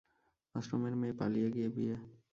আশ্রমের মেয়ে, পালিয়ে গিয়ে বিয়ে।